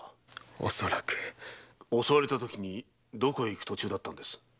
おそらく。襲われたときにどこへ行く途中だったんです？